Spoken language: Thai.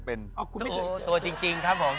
ตัวจริง